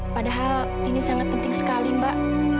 padahal ini sangat penting sekali mbak